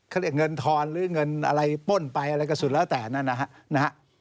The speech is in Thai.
เขาเรียกเงินทอนหรือเงินอะไรป้นไปอะไรก็สุดแล้วแต่นั่นนะฮะ